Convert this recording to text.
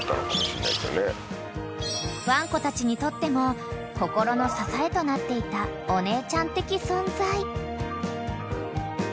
［ワンコたちにとっても心の支えとなっていたお姉ちゃん的存在］